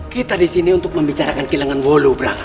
kita disini untuk membicarakan kilangan wolu